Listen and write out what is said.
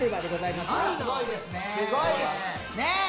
すごいですね。